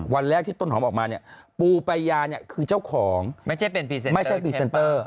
วันแรกที่ต้นหอมออกมาปูปัญญาเป็นคือเจ้าของไม่ใช่เปรี้เซนเตอร์